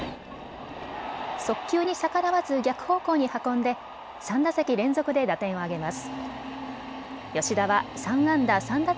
速球に逆らわず逆方向に運んで３打席連続で打点を挙げます。